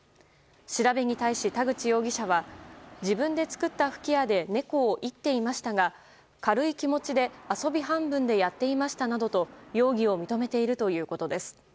調べに対し田口容疑者は自分が作った吹き矢で猫を射っていましたが軽い気持ちで、遊び半分でやっていましたなどと容疑を認めているということです。